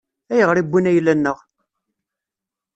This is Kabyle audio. Ayɣer i wwin ayla-nneɣ?